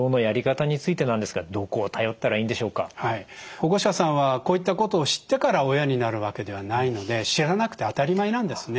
保護者さんはこういったことを知ってから親になるわけではないので知らなくて当たり前なんですね。